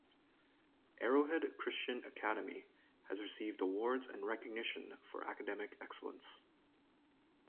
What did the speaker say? Arrowhead Christian Academy has received awards and recognition for academic excellence.